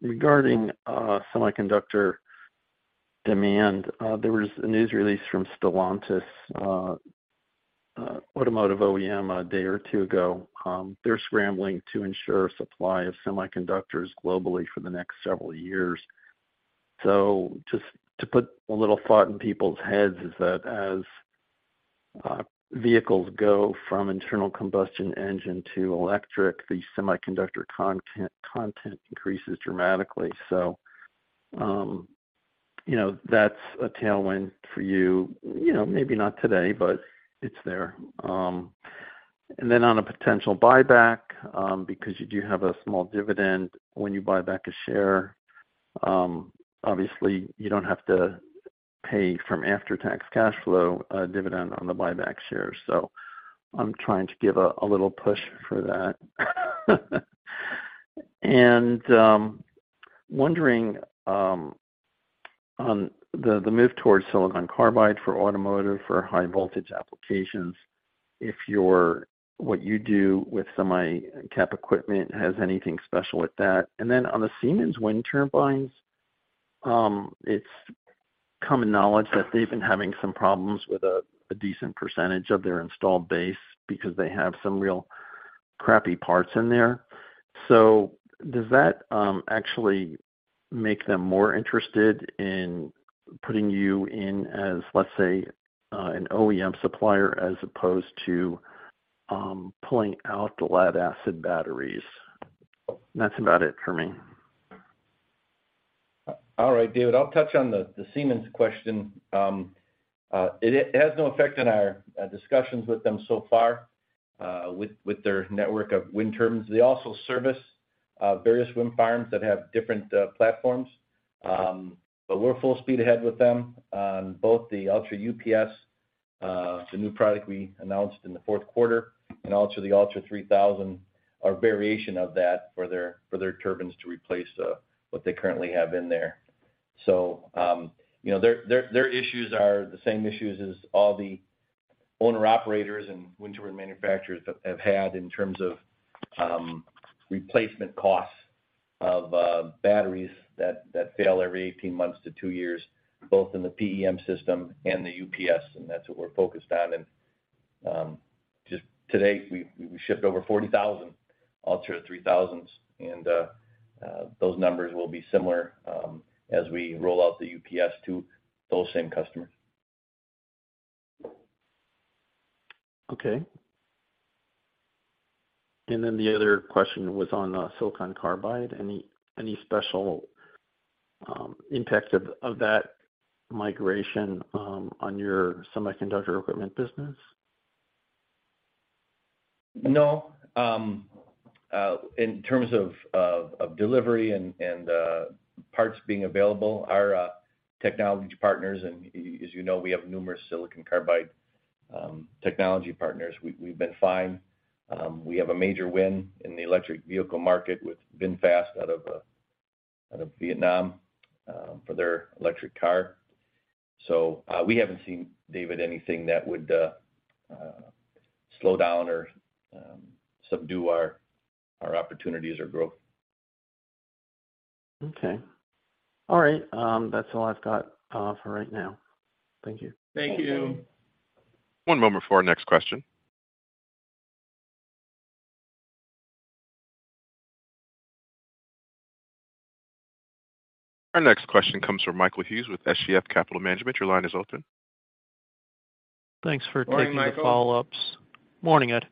Speaker 11: Regarding semiconductor demand, there was a news release from Stellantis, automotive OEM, a day or two ago. They're scrambling to ensure supply of semiconductors globally for the next several years. Just to put a little thought in people's heads, is that as vehicles go from internal combustion engine to electric, the semiconductor content increases dramatically. You know, that's a tailwind for you. You know, maybe not today, but it's there. And then on a potential buyback, because you do have a small dividend when you buy back a share, obviously, you don't have to pay from after-tax cash flow, a dividend on the buyback shares. I'm trying to give a little push for that. Wondering on the move towards silicon carbide for automotive, for high voltage applications, if what you do with semi cap equipment has anything special with that? Then on the Siemens wind turbines, it's common knowledge that they've been having some problems with a decent percentage of their installed base because they have some real crappy parts in there. Does that actually make them more interested in putting you in as, let's say, an OEM supplier, as opposed to pulling out the lead-acid batteries? That's about it for me.
Speaker 4: All right, David, I'll touch on the Siemens question. It has no effect on our discussions with them so far, with their network of wind turbines. They also service various wind farms that have different platforms. We're full speed ahead with them on both the ULTRAUPS, the new product we announced in the fourth quarter, and also the ULTRA3000, or variation of that, for their turbines to replace what they currently have in there. You know, their issues are the same issues as all the owner-operators and wind turbine manufacturers have had in terms of replacement costs of batteries that fail every 18 months to 2 years, both in the PEM system and the UPS, and that's what we're focused on. Just today, we shipped over 40,000 ULTRA3000s. Those numbers will be similar as we roll out the UPS to those same customers.
Speaker 11: Okay. Then the other question was on silicon carbide. Any special impacts of that migration on your semiconductor equipment business?
Speaker 4: No. In terms of delivery and parts being available, our technology partners, and as you know, we have numerous silicon carbide technology partners, we've been fine. We have a major win in the electric vehicle market with VinFast out of Vietnam for their electric car. We haven't seen, David, anything that would slow down or subdue our opportunities or growth.
Speaker 11: Okay. All right, that's all I've got for right now. Thank you.
Speaker 4: Thank you.
Speaker 1: One moment for our next question. Our next question comes from Michael Hughes with SGF Capital Management. Your line is open.
Speaker 7: Thanks for taking the follow-ups.
Speaker 2: Morning, Michael.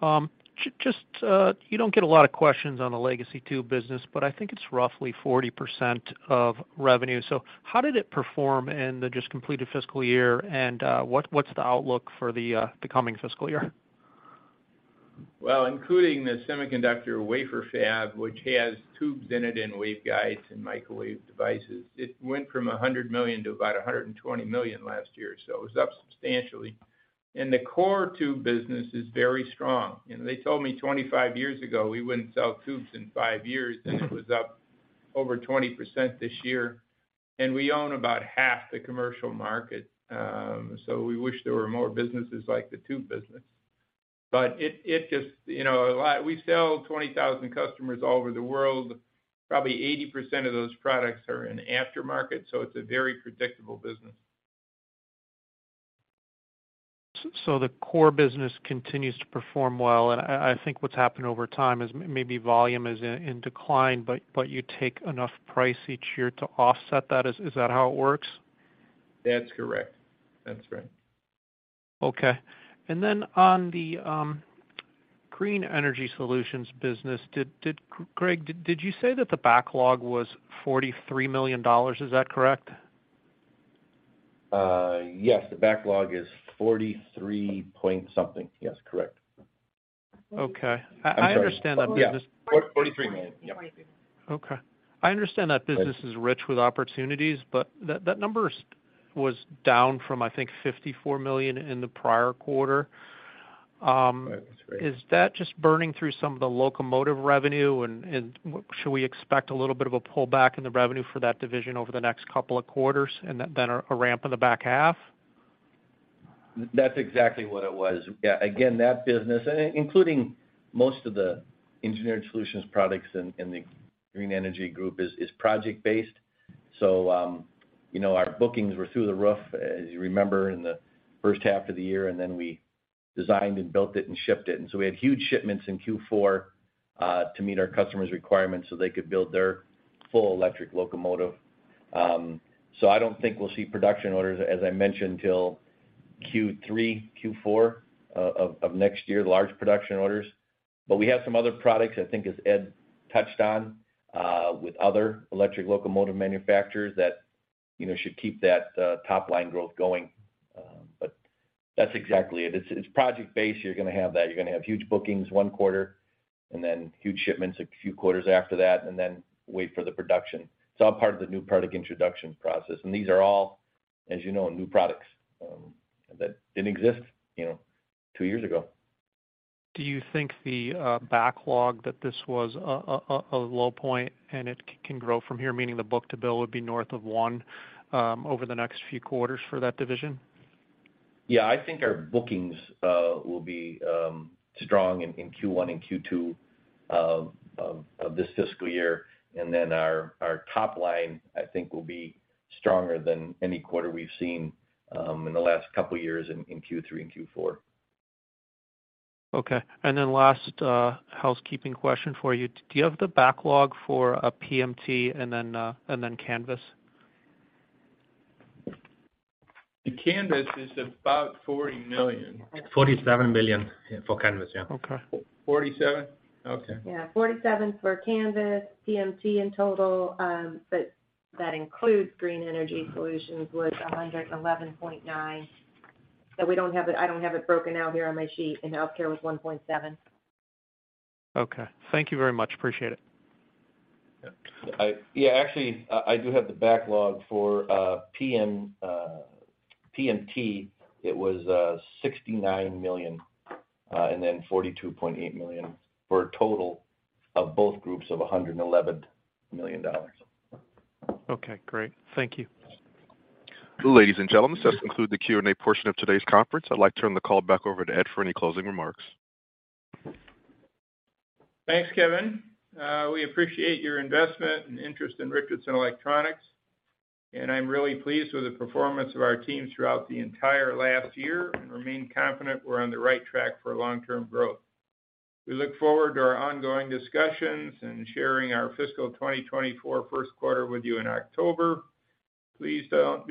Speaker 7: Morning, Ed. just you don't get a lot of questions on the legacy tube business, but I think it's roughly 40% of revenue. How did it perform in the just completed fiscal year? What's the outlook for the coming fiscal year?
Speaker 4: Well, including the semiconductor wafer fab, which has tubes in it, and waveguides, and microwave devices, it went from $100 million to about $120 million last year, so it was up substantially. The core tube business is very strong. You know, they told me 25 years ago, we wouldn't sell tubes in five years, and it was up over 20% this year. We own about half the commercial market, so we wish there were more businesses like the tube business. It just, you know, we sell 20,000 customers all over the world. Probably 80% of those products are in aftermarket, so it's a very predictable business.
Speaker 7: The core business continues to perform well, I think what's happened over time is maybe volume is in decline, but you take enough price each year to offset that. Is that how it works?
Speaker 4: That's correct. That's right.
Speaker 7: Okay. On the Green Energy Solutions business, did Greg, did you say that the backlog was $43 million? Is that correct?
Speaker 4: Yes, the backlog is $43 million point something. Yes, correct.
Speaker 7: Okay.
Speaker 4: I'm sorry.
Speaker 7: I understand that.
Speaker 4: Yeah, $43 million. Yep.
Speaker 5: $43 million.
Speaker 7: Okay. I understand that business is rich with opportunities, that number was down from, I think, $54 million in the prior quarter.
Speaker 4: That's right.
Speaker 7: Is that just burning through some of the locomotive revenue? Should we expect a little bit of a pullback in the revenue for that division over the next couple of quarters, and then a ramp in the back half?
Speaker 4: That's exactly what it was. Yeah, again, that business, including most of the engineered solutions products in the Green Energy Group, is project-based. You know, our bookings were through the roof, as you remember, in the first half of the year, and then we designed and built it, and shipped it. We had huge shipments in Q4 to meet our customers' requirements, so they could build their full electric locomotive. I don't think we'll see production orders, as I mentioned, till Q3, Q4 of next year, large production orders. We have some other products, I think, as Ed touched on, with other electric locomotive manufacturers that, you know, should keep that top-line growth going. That's exactly it. It's project-based. You're gonna have that. You're gonna have huge bookings one quarter, and then huge shipments a few quarters after that, and then wait for the production. It's all part of the new product introduction process, and these are all, as you know, new products, that didn't exist, you know, two years ago.
Speaker 7: Do you think the backlog that this was a low point and it can grow from here, meaning the book-to-bill would be north of one over the next few quarters for that division?
Speaker 4: I think our bookings will be strong in Q1 and Q2 of this fiscal year. Our top line, I think, will be stronger than any quarter we've seen in the last couple of years in Q3 and Q4.
Speaker 7: Okay, and then last, housekeeping question for you. Do you have the backlog for PMT and then Canvys?
Speaker 4: The Canvys is about $40 million.
Speaker 6: $47 million for Canvys, yeah.
Speaker 7: Okay.
Speaker 4: $47 million? Okay.
Speaker 5: Yeah, $47 million for Canvys. PMT in total, but that includes Green Energy Solutions, was $111.9 million. I don't have it broken out here on my sheet. Healthcare was $1.7 million.
Speaker 7: Okay. Thank you very much. Appreciate it.
Speaker 4: Yeah. Yeah, actually, I do have the backlog for PMT. It was $69 million, and then $42.8 million, for a total of both groups of $111 million.
Speaker 7: Okay, great. Thank you.
Speaker 1: Ladies and gentlemen, this concludes the Q&A portion of today's conference. I'd like to turn the call back over to Ed for any closing remarks.
Speaker 2: Thanks, Kevin. We appreciate your investment and interest in Richardson Electronics. I'm really pleased with the performance of our team throughout the entire last year and remain confident we're on the right track for long-term growth. We look forward to our ongoing discussions and sharing our fiscal 2024 first quarter with you in October. Please don't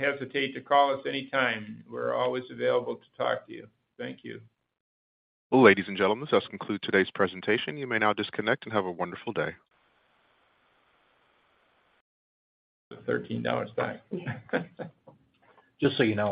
Speaker 2: hesitate to call us anytime. We're always available to talk to you. Thank you.
Speaker 1: Ladies and gentlemen, this concludes today's presentation. You may now disconnect and have a wonderful day.
Speaker 2: The $13 back. Just so you know.